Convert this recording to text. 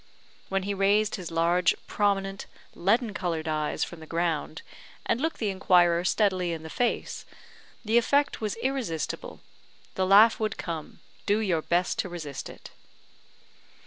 When he raised his large, prominent, leaden coloured eyes from the ground, and looked the inquirer steadily in the face, the effect was irresistible; the laugh would come do your best to resist it.